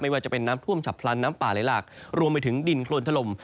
ว่าจะเป็นน้ำท่วมฉับพลันน้ำป่าไหลหลากรวมไปถึงดินโครนถล่ม